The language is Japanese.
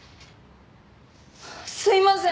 「すいません！」